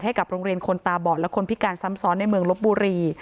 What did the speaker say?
ให้กับโรงเรียนคนตาบอดและคนพิการซ้ำซ้อนในเมืองลบบุรี